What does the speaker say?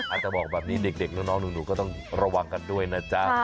อาจจะบอกแบบนี้เด็กน้องหนูก็ต้องระวังกันด้วยนะจ๊ะ